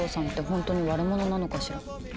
本当に悪者なのかしら？